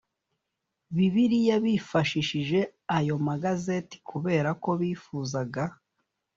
bibiliya bifashishije ayo magazeti kubera ko bifuzaga